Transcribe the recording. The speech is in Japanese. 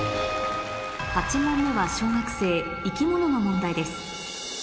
８問目は小学生生き物の問題です